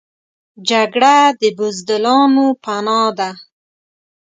جګړه د بزدلانو پناه ده